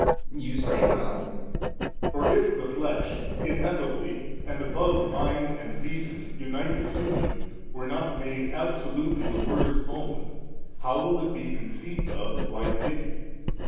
B. You say well. A. For if the flesh ineffably and above mind and reason united to Him were not made absolutely the Word's own, how will it be conceived of as life giving?